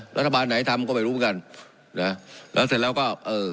รัฐบาลไหนทำก็ไม่รู้เหมือนกันนะแล้วเสร็จแล้วก็เออ